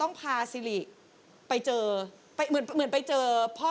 คุณฟังผมแป๊บนึงนะครับ